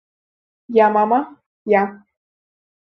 — Я, мама, я…